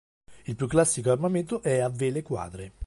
Il più classico armamento è a vele quadre.